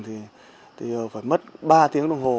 thì phải mất ba tiếng đồng hồ